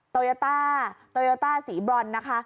โตยาต้าสีบรอนนะคะ